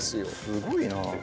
すごいな。